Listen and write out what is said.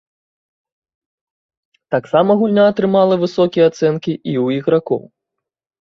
Таксама гульня атрымала высокія ацэнкі і ў ігракоў.